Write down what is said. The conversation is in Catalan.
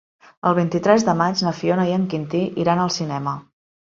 El vint-i-tres de maig na Fiona i en Quintí iran al cinema.